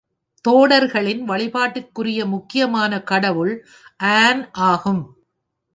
தோடர்களின் வழிபாட்டிற்குரிய முக்கியமான கடவுள் ஆன் ஆகும்.